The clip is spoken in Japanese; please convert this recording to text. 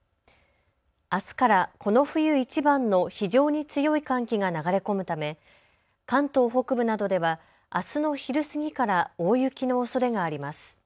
あすからこの冬いちばんの非常に強い寒気が流れ込むため関東北部などではあすの昼過ぎから大雪のおそれがあります。